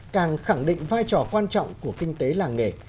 càng khẳng định vai trò quan trọng của kinh tế làng nghề